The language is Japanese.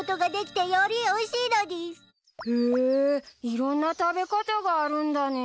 いろんな食べ方があるんだね。